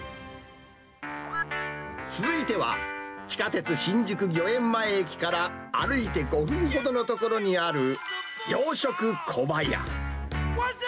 続いては、地下鉄新宿御苑前駅から歩いて５分ほどの所にある、洋食コバヤ。